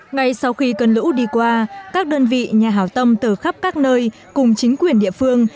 ngay sau khi cơn lũ đi qua các đơn vị nhà hảo tâm từ khắp các nơi cùng chính quyền địa phương